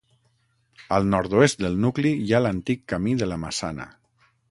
Al nord-oest del nucli hi ha l'antic camí de la Massana.